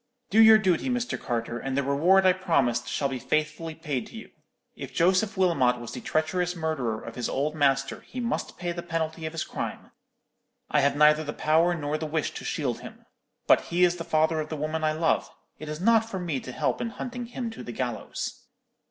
Do your duty, Mr. Carter; and the reward I promised shall be faithfully paid to you. If Joseph Wilmot was the treacherous murderer of his old master, he must pay the penalty of his crime; I have neither the power nor the wish to shield him. But he is the father of the woman I love. It is not for me to help in hunting him to the gallows.'